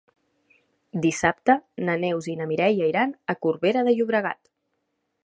Dissabte na Neus i na Mireia iran a Corbera de Llobregat.